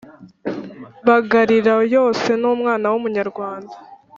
Bagarira yose ni umwana w’umunyarwanda.